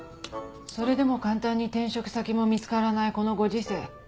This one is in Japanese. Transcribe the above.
それでも簡単に転職先も見つからないこのご時世。